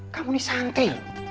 kamu ini santri